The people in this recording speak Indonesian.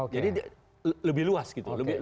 jadi lebih luas gitu